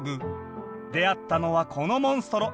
出会ったのはこのモンストロ。